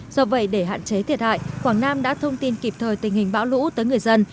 do vậy để hạn chế thiệt hại quảng nam đã thông tin kịp thời tình hình bão lũ tới người dân